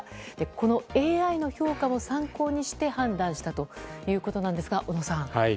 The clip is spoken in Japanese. このＡＩの評価を参考にして判断したということですが小野さん。